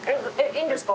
いいんですか？